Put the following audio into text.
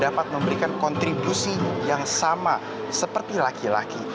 dapat memberikan kontribusi yang sama seperti laki laki